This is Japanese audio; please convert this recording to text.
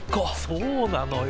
そうなのよ。